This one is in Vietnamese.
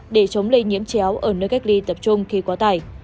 để chống lây nhiễm chéo ở nơi cách ly tập trung khi quá tải